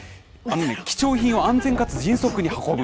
貴重品を安全かつ迅速に運ぶ。